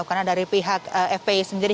karena dari pihak fpi sendiri